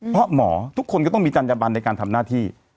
เพราะหมอทุกคนก็ต้องมีจัญญบันในการทำหน้าที่